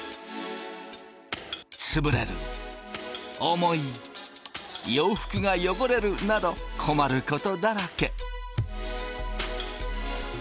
つぶれる重い洋服が汚れるなど困ることだらけ。